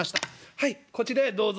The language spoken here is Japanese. はいこちらへどうぞ」。